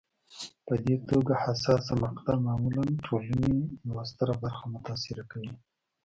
په دې توګه حساسه مقطعه معمولا ټولنې یوه ستره برخه متاثره کوي.